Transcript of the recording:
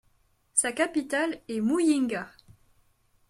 Sa capitale est Muyinga.